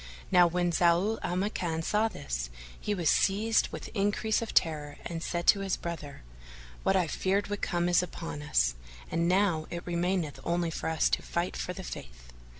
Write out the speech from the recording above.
Now when Zau al Makan saw this, he was seized with increase of terror and said to his brother, "What I feared would come, is come upon us, and now it remaineth only for us to fight for the Faith."